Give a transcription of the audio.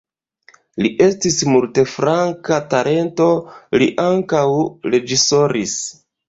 Li estis multflanka talento, li ankaŭ reĝisoris.